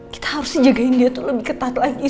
kita harusnya jagain dia tuh lebih ketat lagi